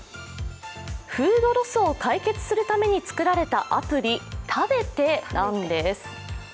フードロスを解決するために作られたアプリ、ＴＡＢＥＴＥなんです。